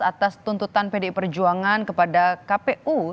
atas tuntutan pdi perjuangan kepada kpu